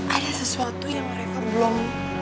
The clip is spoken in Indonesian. ada sesuatu yang mereka belum